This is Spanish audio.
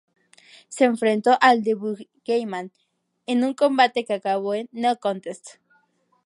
Se enfrentó al The Boogeyman en un combate que acabó en "no contest".